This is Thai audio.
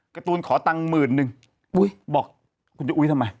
การ์ตูนขอตังค์หมื่นนึงอุ้ยบอกคุณจะอุ๊ยทำไม